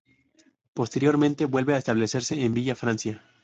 Posteriormente vuelve a establecerse en Villa Francia.